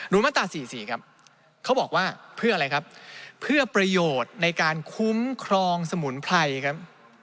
มาตรา๔๔ครับเขาบอกว่าเพื่ออะไรครับเพื่อประโยชน์ในการคุ้มครองสมุนไพรครับ